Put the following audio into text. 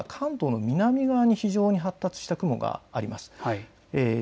ここ、今、関東の南側に非常に発達した雲があります。